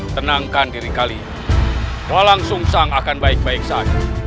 tenangkan diri kalian walang sungisawa akan baik baik saja